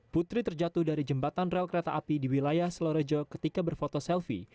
putri terjatuh dari jembatan rel kereta api di wilayah selorejo ketika berfoto selfie